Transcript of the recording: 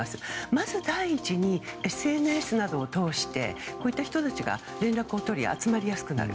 まず第１に、ＳＮＳなどを通してこういった人たちが連絡を取り集まりやすくなる。